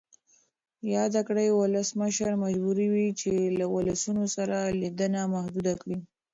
یاده کړۍ ولسمشر مجبوروي چې له ولسونو سره لیدنه محدوده کړي.